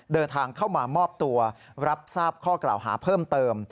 เดินทางเข้ามามอบตัวรับทราบข้อกล่าวหาเพิ่มเติม